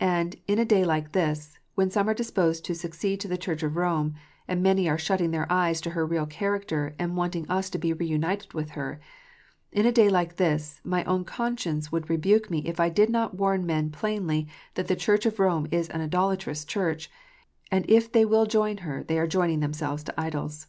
And in a day like this, when some are disposed to secede to the Church of Rome, and many are shutting their eyes to her real character, and wanting us to be reunited to her, in a day like this, my own conscience would rebuke me if I did not warn men plainly that the Church of Rome is an idolatrous Church, and that if they will join her they are "joining themselves to idols."